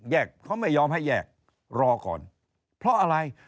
แยกเขาไม่ยอมให้แยกรอก่อนเพราะอะไร